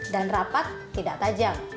dan rapat tidak tajam